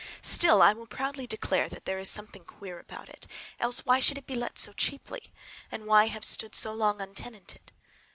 Still I will proudly declare that there is something queer about it. Else, why should it be let so cheaply? And why have stood so long untenanted?